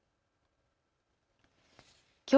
きょう